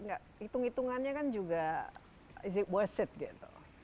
hitung hitungannya kan juga is it worth it gitu